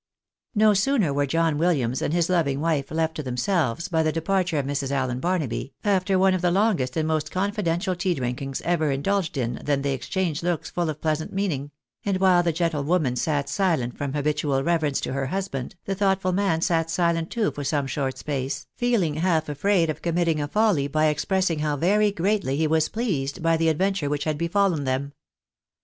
No sooner were John WilKams and his loving wife left to them selves by the departure of Mrs. Allen Barnaby, after one of the longest and most confidential tea drinkings ever indulged in, than they exchanged looks full of pleasant meaning ; and while the gentle woman sat silent from habitual reverence to her husband, the thoughtful man sat silent too for some short space, feeling half afraid of committing a folly by expressing how very greatly he was pleased by the adventure which had befallen them.